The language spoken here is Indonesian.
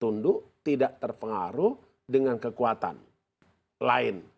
tunduk tidak terpengaruh dengan kekuatan lain